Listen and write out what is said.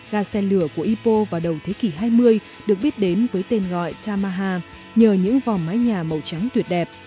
gà xe lửa của ipoh vào đầu thế kỷ hai mươi được biết đến với tên gọi tamaha nhờ những vòm mái nhà màu trắng tuyệt đẹp